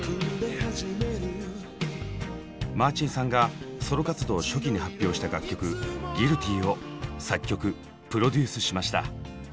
マーチンさんがソロ活動初期に発表した楽曲「Ｇｕｉｌｔｙ」を作曲・プロデュースしました。